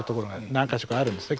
何か所かあるんですね